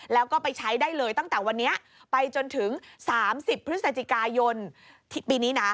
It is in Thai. แล้วก็ไปใช้ได้เลยตั้งแต่วันนี้ไปจนถึง๓๐พฤศจิกายนปีนี้นะ